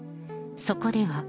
そこでは。